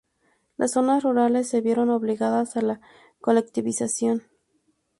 Las zonas rurales se vieron obligadas a la colectivización.